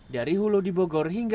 dari hulu di bogor hingga